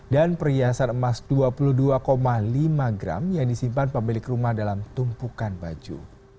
dan perhiasan emas dua puluh dua lima gram yang disimpan pemilik rumah dalam tumpukan baju